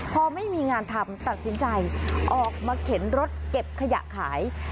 พอไม่มีงานทำตัดสินใจออกมาเข็นรถเก็บขยะขาย